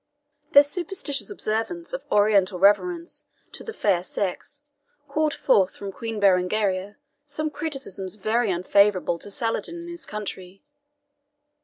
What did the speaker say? This superstitious observance of Oriental reverence to the fair sex called forth from Queen Berengaria some criticisms very unfavourable to Saladin and his country.